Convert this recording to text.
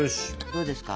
どうですか？